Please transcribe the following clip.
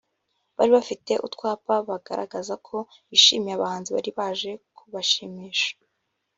bari bafite utwapa bagaragaza ko bishimiye abahanzi bari baje kubashimisha